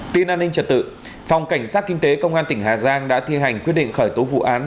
tin an ninh trật tự phòng cảnh sát kinh tế công an tỉnh hà giang đã thi hành quyết định khởi tố vụ án